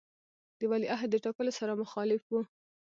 د ولیعهد د ټاکلو سره مخالف وو.